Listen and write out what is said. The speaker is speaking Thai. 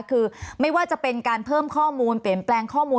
คือไม่ว่าจะเป็นการเพิ่มข้อมูลเปลี่ยนแปลงข้อมูล